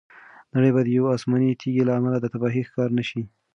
نړۍ به د یوې آسماني تیږې له امله د تباهۍ ښکار نه شي.